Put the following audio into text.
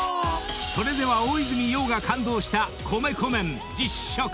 ［それでは大泉洋が感動した米粉麺実食！］